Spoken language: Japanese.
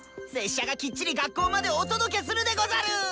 拙者がきっちり学校までお届けするでござる！